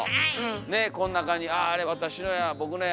ねえこん中に「あああれ私のや」